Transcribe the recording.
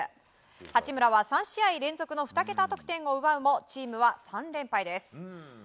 八村は３試合連続の２桁得点を奪うもチームは３連敗です。